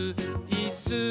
いっすー！